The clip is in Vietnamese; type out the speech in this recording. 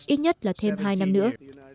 ít nhất là thêm hai năm nữa